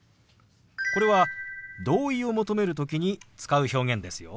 これは同意を求める時に使う表現ですよ。